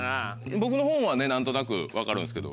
僕の本はね何となく分かるんですけど